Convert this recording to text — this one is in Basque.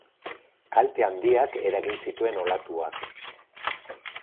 Kalte handiak eragin zituen olatuak.